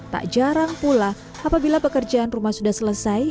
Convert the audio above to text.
tak jarang pula apabila pekerjaan rumah sudah selesai